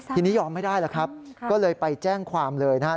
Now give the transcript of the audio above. ทีนี้ยอมไม่ได้แล้วครับก็เลยไปแจ้งความเลยนะครับ